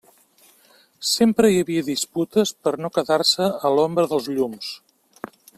Sempre hi havia disputes per no quedar-se a l'ombra dels llums.